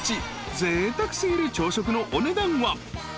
［ぜいたく過ぎる朝食のお値段は］